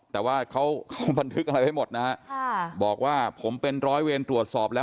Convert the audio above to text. แต่ว่าเขาเขาบันทึกอะไรไว้หมดนะฮะบอกว่าผมเป็นร้อยเวรตรวจสอบแล้ว